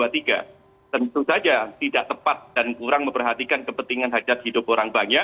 tentu saja tidak tepat dan kurang memperhatikan kepentingan hajat hidup orang banyak